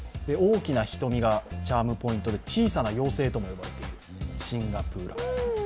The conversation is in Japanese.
大きな瞳がチャームポイントで小さな妖精とも呼ばれているシンガプーラ。